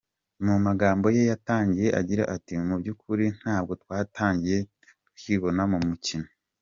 Mu magambo ye yatangiye agira ati “Mu by'ukuri ntabwo twatangiye twibona mu mukino.